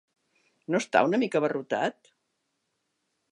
No està una mica abarrotat?